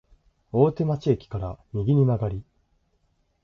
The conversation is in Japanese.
大手町駅から右に曲がり、